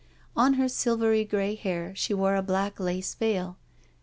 On her silver grey hair she wore a black lace veil.